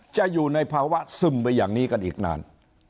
จะอยู่ในภาวะซึมไปอย่างนี้กันอีกนาน